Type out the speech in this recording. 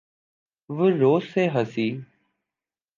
وہ زور سے ہنسی۔